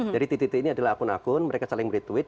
jadi titik titik ini adalah akun akun mereka saling meretweet